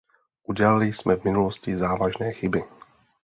Udělali jsme v minulosti závažné chyby?